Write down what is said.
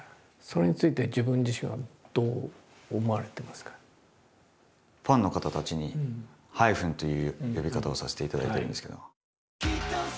それについて自分自身はどう思われてますか？という呼び方をさせていただいてるんですけど。